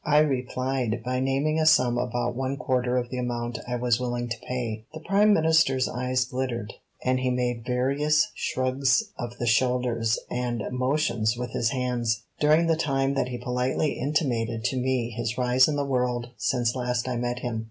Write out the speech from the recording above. I replied by naming a sum about one quarter of the amount I was willing to pay. The Prime Minister's eyes glittered, and he made various shrugs of the shoulders and motions with his hands, during the time that he politely intimated to me his rise in the world since last I met him.